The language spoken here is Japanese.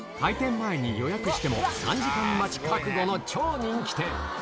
開店待ちに予約しても、３時間待ちの超人気店。